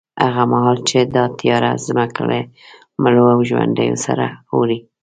هغه مهال چې دا تیاره ځمکه له مړو او ژوندیو سره اوړي،